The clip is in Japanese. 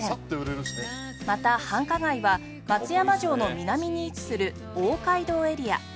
また繁華街は松山城の南に位置する大街道エリア